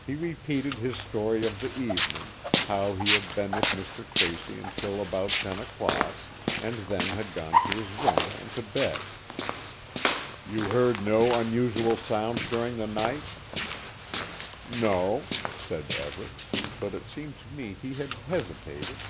He repeated his story of the evening, how he had been with Mr. Tracy until about ten o'clock, and then had gone to his room and to bed. "You heard no unusual sounds during the night?" "No," said Everett, but it seemed to me he had hesitated.